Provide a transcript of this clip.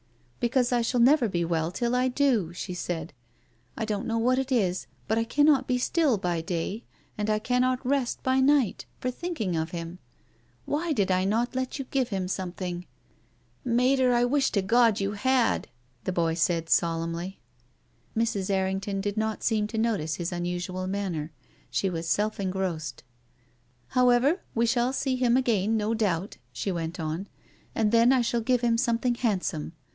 " Because I shall never be well till I do," she said. " I don't know what it is, but I cannot be still by day, and I cannot rest by night, for think ing of him. Why did I not let you give him something? " THE LADY AND THE BEGGAR. 365 " Mater, I wish to God you had !" the boy said solemnly. Mrs. Errington did not seem to notice his un usual manner. She was self engrossed. However, we shall see him again, no doubt," she went on. " And then I shall give him some thing handsome.